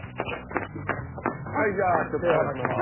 はいじゃあちょっと手離しますね。